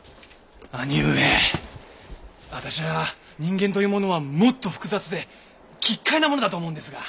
兄上私は人間というものはもっと複雑で奇っ怪なものだと思うんですが。